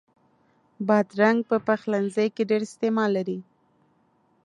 بادرنګ په پخلنځي کې ډېر استعمال لري.